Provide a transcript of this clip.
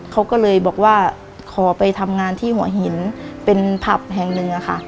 เขาก็เลยบอกว่าขอไปทำงานที่หัวหินเป็นผับแห่งหนึ่งค่ะ